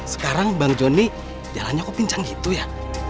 sekarang bang joni jalannya kok pincang gitu ya